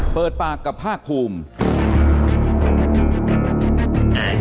เปิดปากกับภาคภูมิ